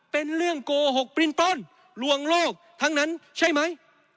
เป็นเรื่องโกหกปริ้นปล้นลวงโลกทั้งนั้นใช่ไหม